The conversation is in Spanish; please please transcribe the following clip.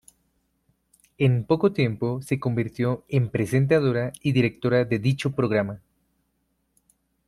En poco tiempo se convirtió en presentadora y directora de dicho programa.